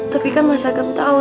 tapi kan mas agam tawa